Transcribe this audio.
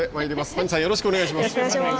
谷さん、よろしくお願いします。